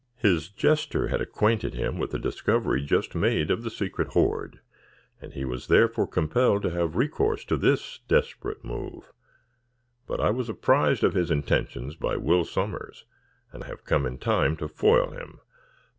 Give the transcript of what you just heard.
His jester had acquainted him with the discovery just made of the secret hoard, and he was therefore compelled to have recourse to this desperate move. But I was apprized of his intentions by Will Sommers, and have come in time to foil him."